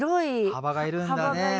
幅がいるんですね。